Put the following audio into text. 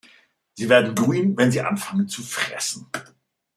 Sie werden grün, wenn sie anfangen zu fressen.